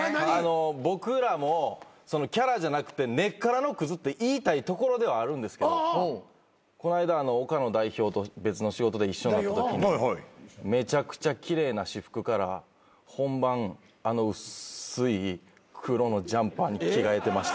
僕らもキャラじゃなくて根っからのクズって言いたいところではあるんですけどこないだ岡野代表と別の仕事で一緒になったときにめちゃくちゃ奇麗な私服から本番あの薄い黒のジャンパーに着替えてました。